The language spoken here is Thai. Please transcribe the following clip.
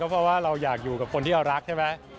เพราะว่าเราอยากอยู่กับคนที่เรารักใช่ไหม